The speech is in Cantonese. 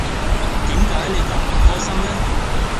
點解你咁唔開心呢